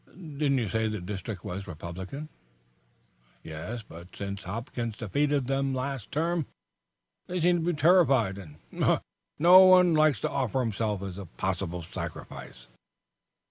"Didn't you say the district was Republican?" "Yes; but since Hopkins defeated them last term they seem to be terrified, and no one likes to offer himself as a possible sacrifice."